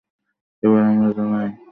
এবার আমার জন্যই তোমায় যেতে হবে, প্লিজ।